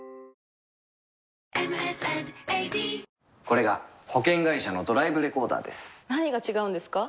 これが保険会社のドライブレコーダーです何が違うんですか？